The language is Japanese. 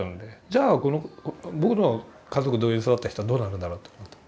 じゃあ僕の家族同様に育った人はどうなるんだろうと思った。